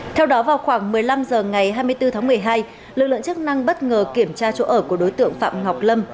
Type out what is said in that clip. theo đó vào khoảng một mươi năm h ngày hai mươi bốn tháng một mươi hai lực lượng chức năng bất ngờ kiểm tra chỗ ở của đối tượng phạm ngọc lâm